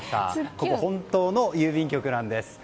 ここ、本当の郵便局なんです。